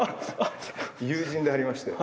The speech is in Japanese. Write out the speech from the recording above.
友人でありまして。